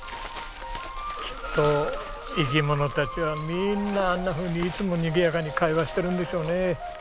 きっと生き物たちはみんなあんなふうにいつもにぎやかに会話してるんでしょうね。